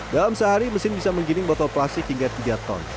dalam sehari mesin bisa menggiling botol plastik hingga tiga ton